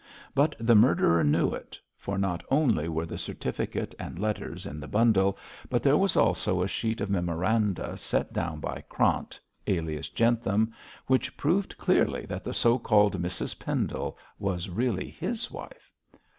But the murderer knew it, for not only were the certificate and letters in the bundle, but there was also a sheet of memoranda set down by Krant, alias Jentham, which proved clearly that the so called Mrs Pendle was really his wife.